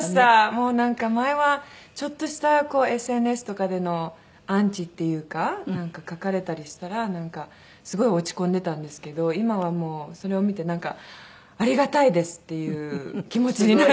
もうなんか前はちょっとしたＳＮＳとかでのアンチっていうかなんか書かれたりしたらすごい落ち込んでたんですけど今はもうそれを見てなんかありがたいですっていう気持ちになってきましたね。